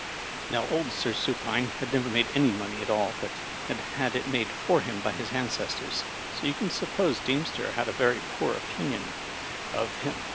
Now, old Sir Supine had never made any money at all, but had had it made for him by his ancestors; so you can suppose Deemster had a very poor opinion of Digitized by VjOOQIC 160 RILE7, M.P. him.